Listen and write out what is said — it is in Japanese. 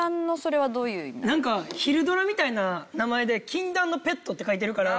なんか昼ドラみたいな名前で「禁断のペット」って書いてるから。